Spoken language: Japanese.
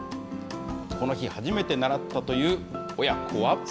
この日、初めて習ったという親子は。